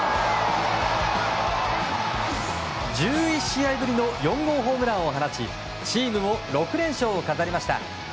１１試合ぶりの４号ホームランを放ちチームも６連勝を飾りました。